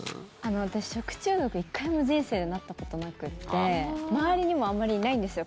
私、食中毒１回も人生でなったことなくて周りにもあまりいないんですよ。